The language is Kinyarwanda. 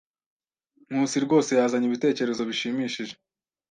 Nkusi rwose yazanye ibitekerezo bishimishije.